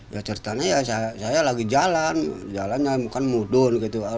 ya ceritanya ya saya lagi jalan jalannya bukan mudun gitu